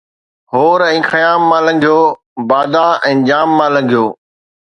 هور ۽ خيام مان لنگهيو، بادا ۽ ڄام مان لنگهيو